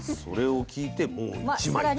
それを聞いてもう１枚。